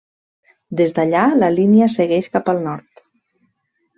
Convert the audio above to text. Des d'allà la línia segueix cap al nord.